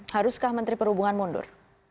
haruskah menteri perhubungan mundur